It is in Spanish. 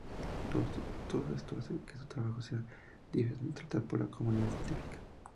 Todo esto hace que su trabajo sea difícil de tratar por la comunidad científica.